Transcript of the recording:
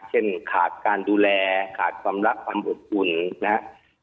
เช่นขาดการดูแลขาดความรักความอบอุ่นนะฮะ